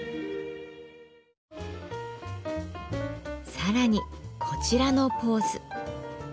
更にこちらのポーズ。